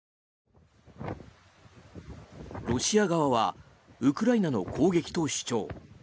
ロシア側はウクライナの攻撃と主張。